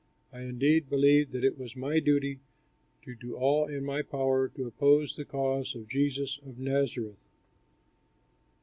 I indeed believed that it was my duty to do all in my power to oppose the cause of Jesus of Nazareth.